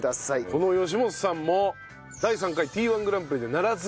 この吉本さんも第３回Ｔ−１グランプリで奈良漬